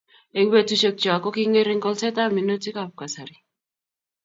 Eng' petushek chok ko kingering kolset ab minutik ab kasari